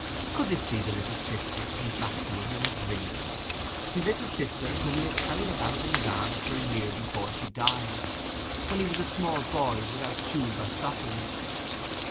Could this be his little sister come back to him in a dream—his little sister whom he had carried about in his arms for a year before she died, when he was a small boy without shoes or stockings?